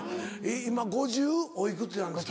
今５０お幾つなんですか？